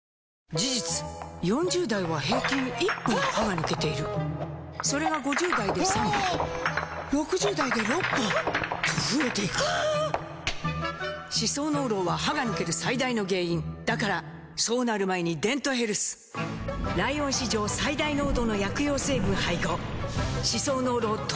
事実４０代は平均１本歯が抜けているそれが５０代で３本６０代で６本と増えていく歯槽膿漏は歯が抜ける最大の原因だからそうなる前に「デントヘルス」ライオン史上最大濃度の薬用成分配合歯槽膿漏トータルケア！